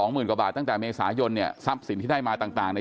หมื่นกว่าบาทตั้งแต่เมษายนเนี่ยทรัพย์สินที่ได้มาต่างใน